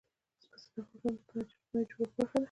پسه د افغانستان د اجتماعي جوړښت برخه ده.